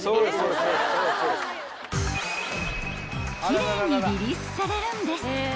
［奇麗にリリースされるんです］